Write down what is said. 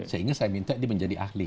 sehingga saya minta dia menjadi ahli